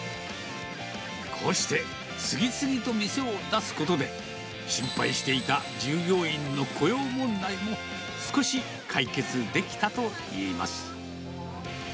こうして次々と店を出すことで、心配していた従業員の雇用問題も、少し解決できたといいます。